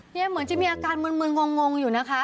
เหมือนจะมีอาการมืนงงอยู่นะคะ